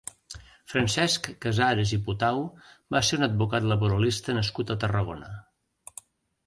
Francesc Casares i Potau va ser un advocat laboralista nascut a Tarragona.